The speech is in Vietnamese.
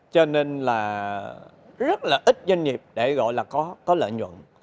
cho nên là rất là ít doanh nghiệp để gọi là có lợi nhuận